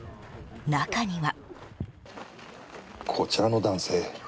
中には。